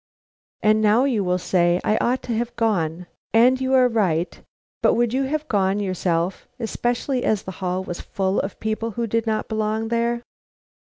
And now, you will say, I ought to have gone. And you are right, but would you have gone yourself, especially as the hall was full of people who did not belong there?